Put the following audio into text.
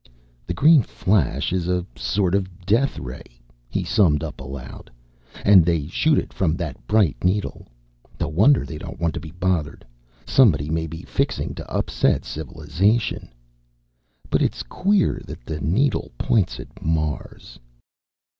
"The green flash is a sort of a death ray," he summed up, aloud. "And they shoot it from that bright needle. No wonder they don't want to be bothered! Somebody may be fixing to upset civilization! "But it's queer that the needle points at Mars...."